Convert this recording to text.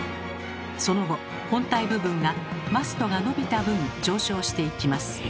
その後本体部分がマストが伸びた分上昇していきます。